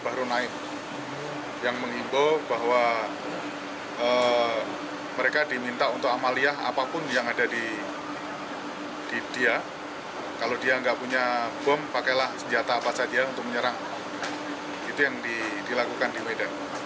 mabes polri irjen pol setiawasisto mengatakan pelaku diduga dua orang dan mereka melompat pagar mabes polri